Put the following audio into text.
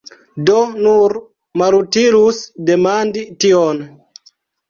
Do, nur malutilus demandi tion!